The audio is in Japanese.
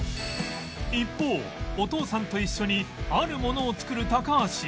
一方お父さんと一緒にあるものを作る高橋